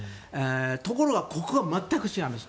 ところはここは全く違います。